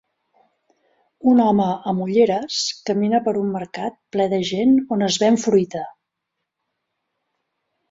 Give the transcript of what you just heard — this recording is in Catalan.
Un home amb ulleres camina per un mercat ple de gent on es ven fruita.